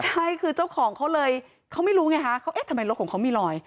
ใช่คือเจ้าของเขาเลยเขาไม่รู้ไงฮะเขาเอ๊ะทำไมรถของเขามีรอย